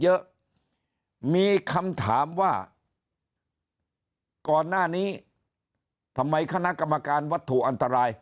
เยอะมีคำถามว่าก่อนหน้านี้ทำไมคณะกรรมการวัตถุอันตราย